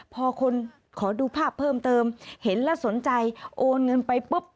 พอคนขอดูภาพเพิ่มเติมเห็นแล้วสนใจโอนเงินไปปุ๊บ